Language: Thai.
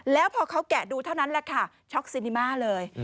แล้วพอเขาแกะดูเท่านั้นแหละค่ะช็อกซินิมาเลย